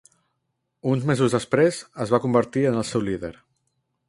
Uns mesos després, es va convertir en el seu líder.